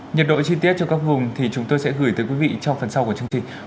nhiệt độ chi tiết cho các hùng thì chúng tôi sẽ gửi tới quý vị trong phần sau của chương trình